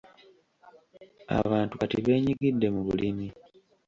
Abantu kati benyigidde mu bulimi.